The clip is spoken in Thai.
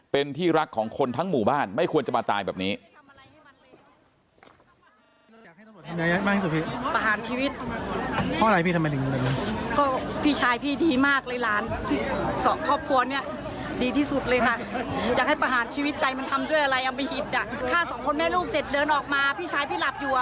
เป็นที่รักของคนทั้งหมู่บ้านไม่ควรจะมาตายแบบนี้